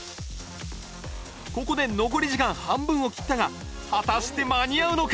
ここで残り時間半分を切ったが果たして間に合うのか？